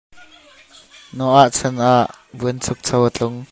Noah chan ah buanchukcho a tlung.